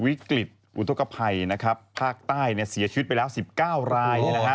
วิกฤตอุทธกภัยนะครับภาคใต้เสียชีวิตไปแล้ว๑๙ราย